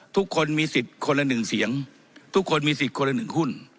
ทุกคนมีสิทธิ์คนละ๑เสียงทุกคนมีสิทธิ์คนละ๑หุ้น